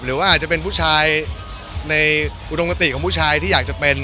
หรือว่าอาจจะเป็นผู้ชายในอุดมคติของผู้ชายที่อยากจะเป็น